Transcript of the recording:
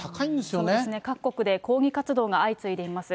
そうですね、各国で抗議活動が相次いでいます。